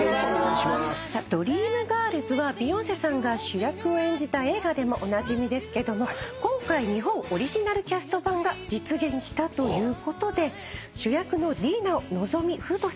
『ドリームガールズ』はビヨンセさんが主役を演じた映画でもおなじみですけども今回日本オリジナルキャスト版が実現したということで主役のディーナを望海風斗さんが演じられるんですよね？